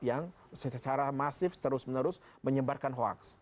yang secara masif terus menerus menyebarkan hoaks